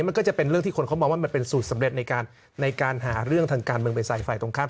มันก็จะเป็นเรื่องที่คนเขามองว่ามันเป็นสูตรสำเร็จในการในการหาเรื่องทางการเมืองไปใส่ฝ่ายตรงข้าม